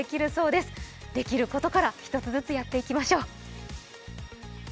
できることから１つずつやっていきましょう。